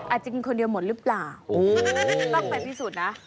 อาจจะกินคนเดียวหมดรึเปล่าโอ้โหต้องไปพิสูจน์นะ